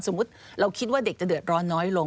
เราคิดว่าเด็กจะเดือดร้อนน้อยลง